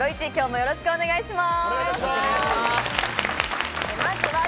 よろしくお願いします。